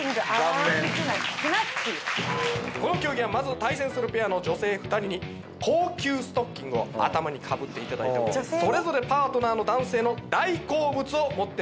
この競技はまず対戦するペアの女性２人に高級ストッキングを頭にかぶっていただいてそれぞれパートナーの男性の大好物を持ってもらいます。